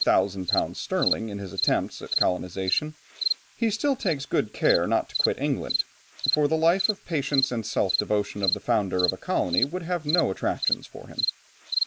_ sterling in his attempts at colonization, he still takes good care not to quit England, for the life of patience and self devotion of the founder of a colony would have no attractions for him.